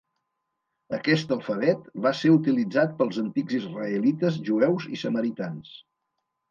Aquest alfabet va ser utilitzat pels antics israelites, jueus i samaritans.